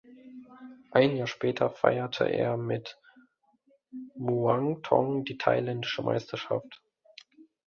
Ein Jahr später feierte er mit Muangthong die thailändische Meisterschaft.